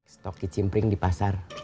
stok kicimpring di pasar